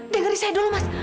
dengerin saya dulu mas